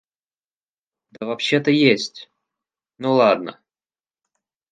Да вообще-то есть... ну ладно!